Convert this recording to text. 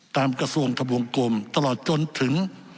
กระทรวงทะวงกลมตลอดจนถึง